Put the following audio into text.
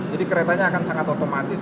jadi keretanya akan sangat otomatis